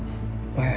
ええ。